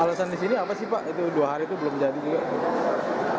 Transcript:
alasan di sini apa sih pak itu dua hari itu belum jadi juga